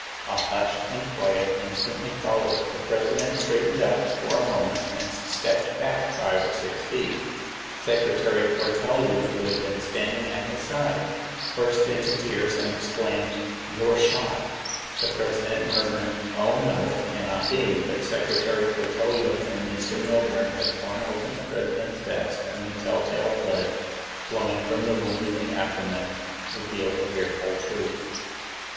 A hush and quiet instantly followed. The President straightened up for a moment and stepped back five or six feet. Secretary Cortelyou, who had been standing at his side, burst into tears, and exclaimed, 'You're shot!' The President murmured, 'Oh, no, it cannot be!' But Secretary Cortelyou and Mr. Milburn had torn open the President's vest, and the telltale blood, flowing from the wound in the abdomen, revealed the fearful truth.